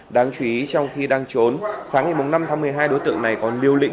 đáng chú ý trong khi đang trốn sáng ngày năm tháng một mươi hai đối tượng này còn lưu lĩnh